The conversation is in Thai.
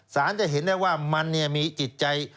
สารจะเห็นได้ว่ามันมีจิตใจ